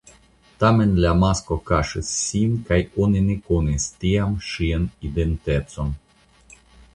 Tamen la masko kaŝis sin kaj oni ne konis tiam ŝian identecon.